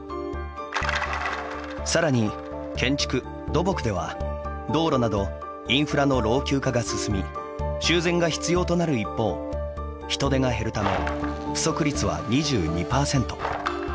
さらに建築・土木では道路などインフラの老朽化が進み修繕が必要となる一方人手が減るため不足率は２２％。